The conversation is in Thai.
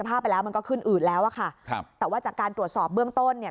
ภาพไปแล้วมันก็ขึ้นอืดแล้วอะค่ะครับแต่ว่าจากการตรวจสอบเบื้องต้นเนี่ย